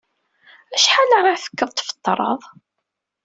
Acḥal ara tekkeḍ tfeṭṭreḍ?